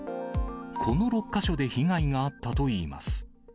この６か所で被害があったといいます。